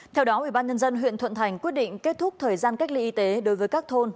theo đó ủy ban nhân dân huyện thuận thành quyết định kết thúc thời gian cách ly y tế đối với các thôn